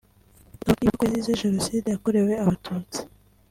tukaba twibuka ko yazize Jenoside yakorewe Abatutsi